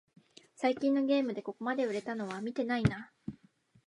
最近のゲームでここまで売れたのは見てないな